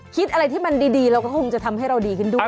คิดอะไรที่มันดีเราก็คงจะทำให้เราดีขึ้นด้วย